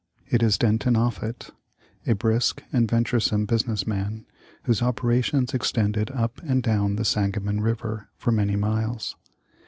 It is Denton Offut, a brisk and venturesome business man, whose opera tions extended up and down the Sangamon river for many miles.